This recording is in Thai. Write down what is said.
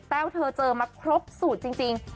แต้วเธอเจอมาครบสุดจริง